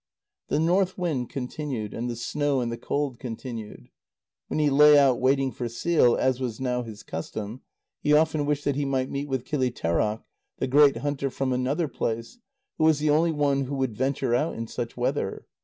The north wind continued, and the snow and the cold continued. When he lay out waiting for seal, as was now his custom, he often wished that he might meet with Kilitêraq, the great hunter from another place, who was the only one that would venture out in such weather.